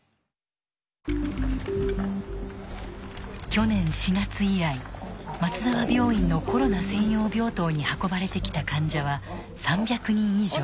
去年４月以来松沢病院のコロナ専用病棟に運ばれてきた患者は３００人以上。